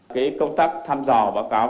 cái công tác thăm dò báo cáo